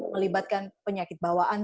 melibatkan penyakit bawaan